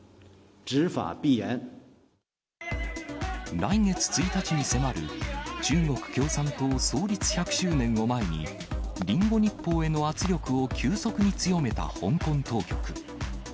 来月１日に迫る、中国共産党創立１００周年を前に、リンゴ日報への圧力を急速に強めた香港当局。